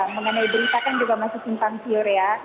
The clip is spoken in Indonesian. mengenai berita kan juga masih sintansir ya